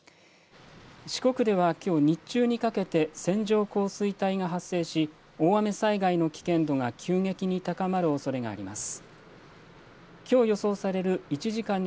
四国ではきょう日中にかけて線状降水帯が発生し、大雨災害の危険度が急激に高まるおそれがあります。